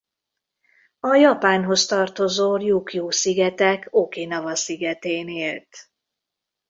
A Japánhoz tartozó Rjúkjú-szigetek Okinava-szigetén élt.